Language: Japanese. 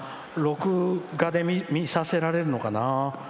録画で見させられるのかな。